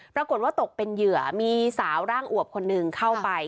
ปรากฏว่าตกเป็นเหยื่อมีสาวร่างอวบคนหนึ่งเข้าไป